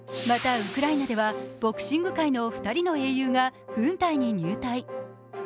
また、ウクライナではボクシング界の２人の英雄が軍隊に入隊。